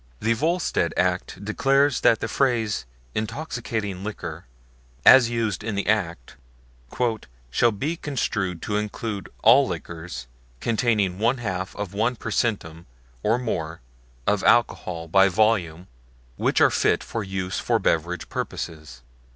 The Volstead act declares that the phrase "intoxicating liquor," as used in the act, "shall be construed to include 'all liquors' containing one half of one percentum or more of alcohol by volume which are fit for use for beverage purposes."